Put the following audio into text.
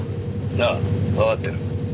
ああわかってる。